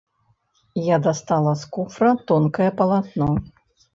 Я дастала з куфра тонкае палатно.